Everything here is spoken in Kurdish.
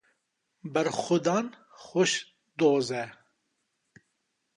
Berxwedan xweş doz e.